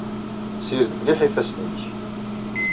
Ssired mliḥ ifassen-nnek.